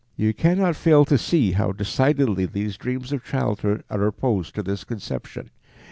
You cannot fail to see how decidedly these dreams of childhood are opposed to this conception.